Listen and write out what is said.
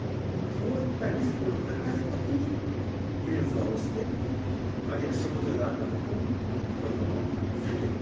そういったリスクの高い時に検査をしてあるいは症状があった時にそういうのを避ける。